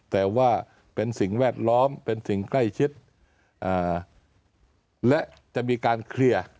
แต่ว่าเป็นสิ่งแวดล้อมเป็นสิ่งใกล้ชิดและจะมีการเคลียร์